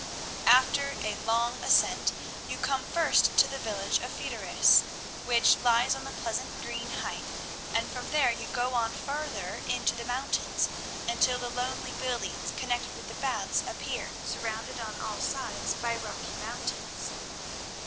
After a long ascent, you come first to the village of Fideris, which lies on the pleasant green height, and from there you go on farther into the mountains, until the lonely buildings connected with the Baths appear, surrounded on all sides by rocky mountains.